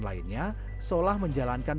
lainnya solah menjalankan